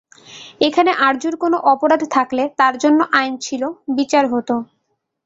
এখানে আরজুর কোনো অপরাধ থাকলে তার জন্য আইন ছিল, বিচার হতো।